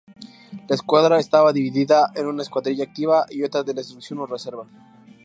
La escuadra estaba dividida en una escuadrilla activa y otra de instrucción o reserva.